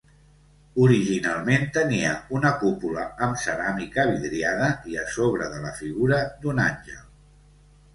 Originalment tenia una cúpula amb ceràmica vidriada i a sobre de la figura d'un àngel.